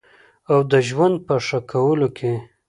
او د ژوند په ښه کولو کې